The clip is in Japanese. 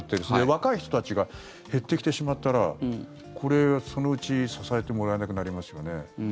それ、若い人たちが減ってきてしまったらこれ、そのうち支えてもらえなくなりますよね。